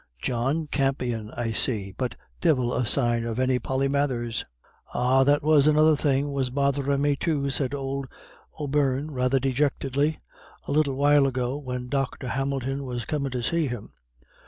'John Campion' I see, but divil a sign of any Polymathers." "Ah, that was another thing was botherin' me, too," said old O'Beirne, rather dejectedly, "a little while ago, when Dr. Hamilton was comin' to see him.